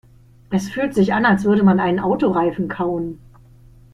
Es fühlt sich an, als würde man einen Autoreifen kauen.